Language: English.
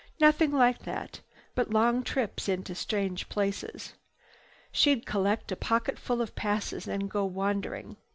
Nothing like that, but long trips into strange places. She'd collect a pocketful of passes and go wandering.